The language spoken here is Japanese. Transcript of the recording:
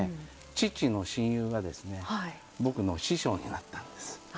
父の親友が僕の師匠になったんです。